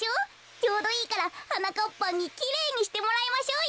ちょうどいいからはなかっぱんにきれいにしてもらいましょうよ。